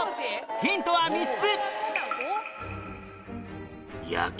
ヒントは３つ